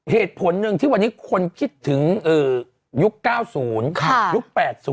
เหตุผลหนึ่งที่วันนี้คนคิดถึงยุค๙๐ยุค๘๐